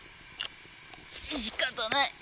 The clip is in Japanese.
しかたない。